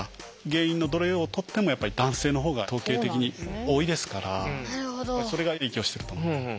原因のどれをとっても男性の方が統計的に多いですからそれが影響してると思います。